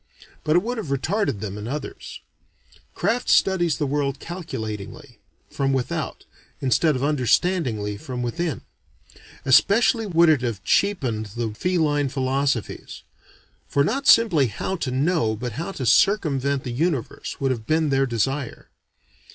But it would have retarded them in others. Craft studies the world calculatingly, from without, instead of understandingly from within. Especially would it have cheapened the feline philosophies; for not simply how to know but how to circumvent the universe would have been their desire.